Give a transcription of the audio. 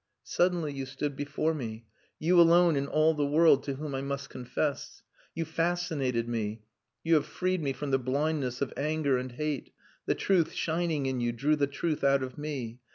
"Suddenly you stood before me! You alone in all the world to whom I must confess. You fascinated me you have freed me from the blindness of anger and hate the truth shining in you drew the truth out of me.